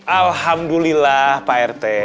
alhamdulillah pak rt